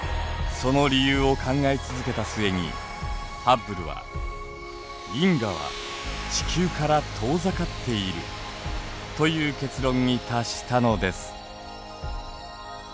その理由を考え続けた末にハッブルは「銀河は地球から遠ざかっている」という結論に達したのです。